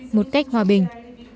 như cách hòa bình